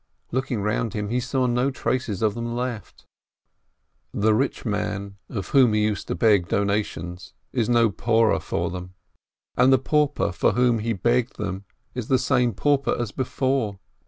Looking round him, he saw no traces of them left. The rich man of whom he used to beg donations is no poorer for them, and the pauper for whom he begged them is the same pauper as before.